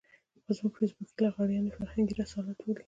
خو زموږ فېسبوکي لغړيان يې فرهنګي رسالت بولي.